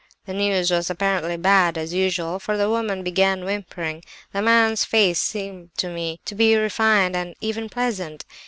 The news was apparently bad, as usual, for the woman began whimpering. The man's face seemed to me to be refined and even pleasant.